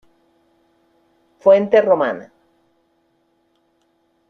Fuente romana.